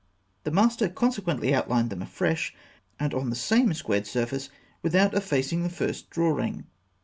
The master consequently outlined them afresh, and on the same squared surface, without effacing the first drawing.